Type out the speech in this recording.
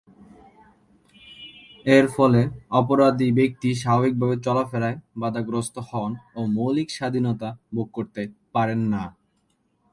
এরফলে অপরাধী ব্যক্তি স্বাভাবিকভাবে চলাফেরায় বাঁধাগ্রস্ত হন ও মৌলিক স্বাধীনতা ভোগ করতে পারেন না।